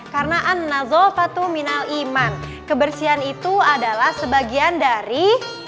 karena an nazzol fathuminal iman kebersihan itu adalah sebagian dari